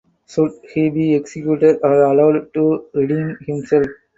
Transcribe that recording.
Should he be executed or allowed to redeem himself?